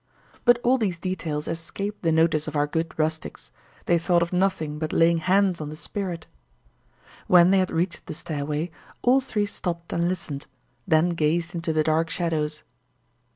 But all these details escaped the notice of our good rustics; they thought of nothing but laying hands on the spirit. When they had reached the stairway, all three stopped and listened, then gazed into the dark shadows.